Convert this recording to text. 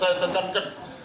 saya tekankan